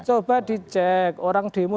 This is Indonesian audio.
coba dicek orang demo